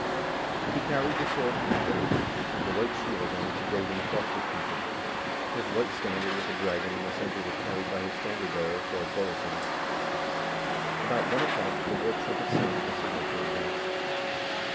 He carried the sword "Hneiter" and a white shield on which a golden cross was painted. His white stand ard with a dragon in the center was carried by his standard bearer, Thord Foleson. About one o'clock, the war trumpets sounded the signal for advance.